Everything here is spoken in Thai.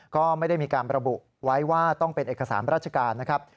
ก็ไม่ได้มีการระบุไว้ว่าต้องเป็นเอกสารราชการนะครับ